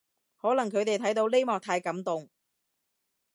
可能佢哋睇到呢幕太感動